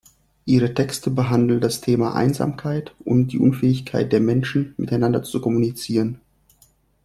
Ihre Texte behandeln das Thema Einsamkeit und die Unfähigkeit der Menschen, miteinander zu kommunizieren.